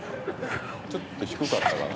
「ちょっと低かったかな」